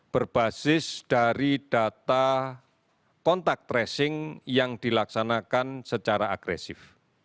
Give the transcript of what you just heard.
berbasis dari data kontak tracing yang dilaksanakan secara agresif